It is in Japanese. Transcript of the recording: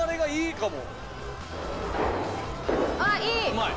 うまい！